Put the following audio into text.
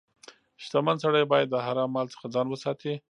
• شتمن سړی باید د حرام مال څخه ځان وساتي.